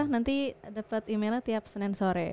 nanti dapat emailnya tiap senin sore